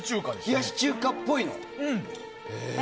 冷やし中華っぽいんだ。